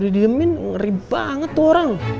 udah di diemin ngeri banget tuh orang